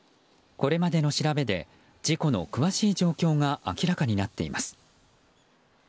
これまでの調べで事故の詳しい状況が明らかになっています。